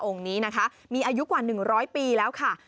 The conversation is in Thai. นี้นะคะมีอายุกว่า๑๐๐ปีแล้วค่ะ